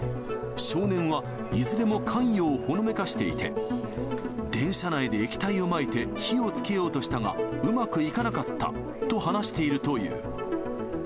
少年はいずれも関与をほのめかしていて、電車内で液体をまいて火をつけようとしたが、うまくいかなかったと話しているという。